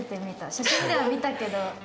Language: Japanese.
写真では見たけど。